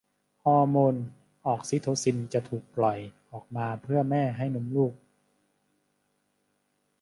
ฮอร์โมนออกซิโทซินจะถูกปล่อยออกมาเมื่อแม่ให้นมลูก